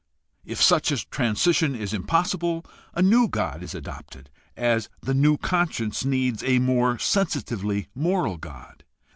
If such a transition is impossible, a new god is adopted as the new conscience needs a more sensitively moral god.